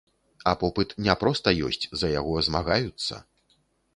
А попыт не проста ёсць, за яго змагаюцца.